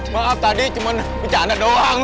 maaf tadi cuma bencana doang